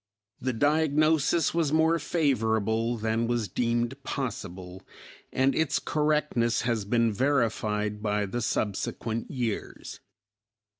The diagnosis was more favorable than was deemed possible, and its correctness has been verified by the subsequent years.